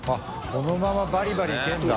このままバリバリいけるんだ。